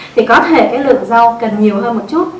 thì có thể cái lượng rau cần nhiều hơn một chút